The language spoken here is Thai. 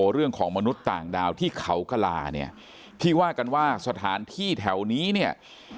เรื่องของมนุษย์ต่างดาวที่เขากระลาเนี่ยที่ว่ากันว่าสถานที่แถวนี้เนี่ย